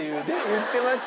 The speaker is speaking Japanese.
言ってました。